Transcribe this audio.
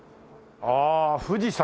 ああ富士山。